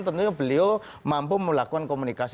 tentunya beliau mampu melakukan komunikasi